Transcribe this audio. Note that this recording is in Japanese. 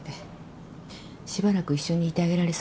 しばらく一緒にいてあげられそうなの？